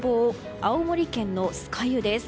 青森県の酸ヶ湯です。